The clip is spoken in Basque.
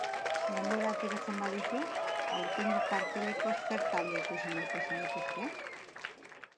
Denbora ateratzen baduzu, aurtengo karteleko zer talde ikusi nahiko zenituzke?